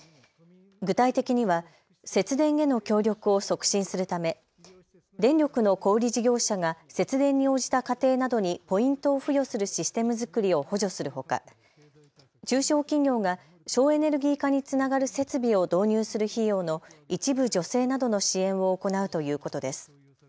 具体的には節電への協力を促進するため電力の小売り事業者が節電に応じた家庭などにポイントを付与するシステム作りを補助するほか中小企業が省エネルギー化につながる設備を導入する費用の一部助成などの支援を行うということです。